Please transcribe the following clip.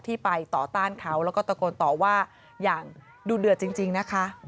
ไปต่อต้านเขาแล้วก็ตะโกนต่อว่าอย่างดูเดือดจริงนะคะ